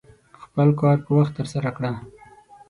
خپل کار په وخت ترسره کړه.